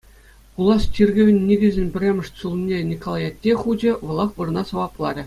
Пулас чиркӗвӗн никӗсӗн пӗрремӗш чулне Николай атте хучӗ, вӑлах вырӑна сӑвапларӗ.